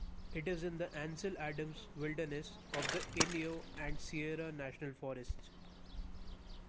It is in the Ansel Adams Wilderness of the Inyo and Sierra National Forests.